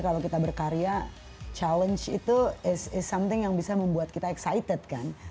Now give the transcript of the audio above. kalau kita berkarya tantangannya itu sesuatu yang bisa membuat kita teruja kan